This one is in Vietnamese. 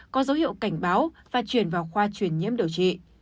có dấu hiệu cảnh báo và chuyển vào khoa truyền nhiễm điều trị